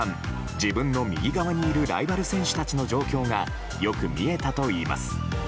自分の右側にいるライバル選手たちの状況がよく見えたといいます。